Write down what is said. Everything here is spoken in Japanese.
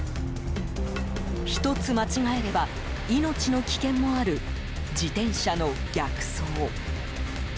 一つ間違えれば命の危険もある自転車の逆走。